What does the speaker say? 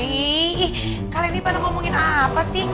hei ih kalian ini pada ngomongin apa sih